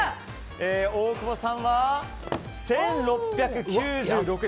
大久保さんは１６９６円。